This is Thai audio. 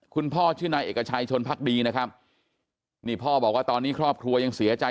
พ่อชื่อนายเอกชัยชนพักดีนะครับนี่พ่อบอกว่าตอนนี้ครอบครัวยังเสียใจ